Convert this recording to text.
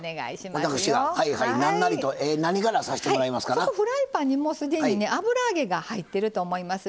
そこフライパンにもう既にね油揚げが入ってると思います。